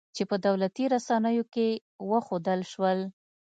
چې په دولتي رسنیو کې وښودل شول